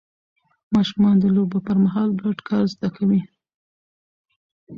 ماشومان د لوبو پر مهال ګډ کار زده کوي